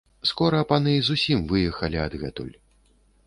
Скора паны зусім выехалі адгэтуль.